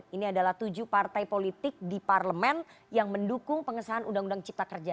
ini adalah tujuh partai politik di parlemen yang mendukung pengesahan undang undang cipta kerja